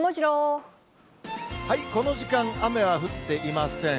この時間、雨は降っていません。